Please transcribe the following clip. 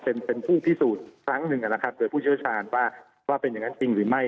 เป็นเป็นผู้พิสูจน์ครั้งหนึ่งนะครับโดยผู้เชี่ยวชาญว่าว่าเป็นอย่างนั้นจริงหรือไม่